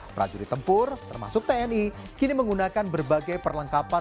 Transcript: prajurit tempur termasuk tni kini menggunakan berbagai perlengkapan